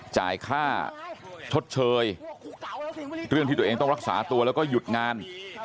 จ่ายค่าชดเชยเรื่องที่ตัวเองต้องรักษาตัวแล้วก็หยุดงาน